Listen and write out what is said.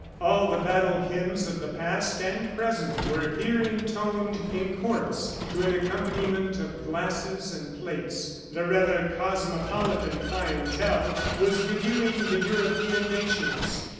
All the battle hymns of the past and present were here intoned in chorus, to an accompaniment of glasses and plates. The rather cosmopolitan clientele was reviewing the European nations.